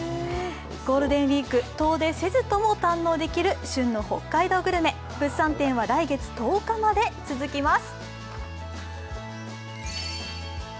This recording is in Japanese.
ゴールデンウイーク、遠出せずとも堪能できる北海道グルメ、物産店は来月１０日まで続きます。